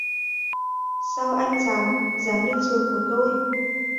Sao anh dám dám lên nằm giường của tôi